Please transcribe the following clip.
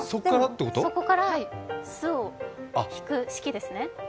そこからスを引く式ですね。